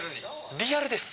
リアルです。